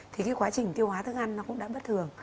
thì cái quá trình tiêu hóa thức ăn nó cũng đã bất thường